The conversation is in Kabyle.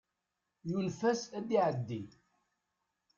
Yunef-as ad iɛeddi.